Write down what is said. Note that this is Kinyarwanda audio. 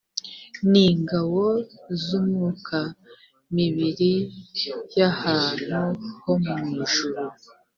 n ingabo z imyuka mibir y ahantu ho mu ijuru